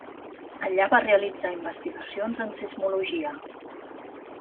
Allà va realitzar investigacions en sismologia.